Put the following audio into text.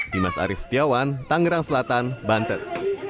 dimas arief setiawan tangerang selatan banten